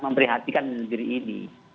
memberi hatikan di negeri ini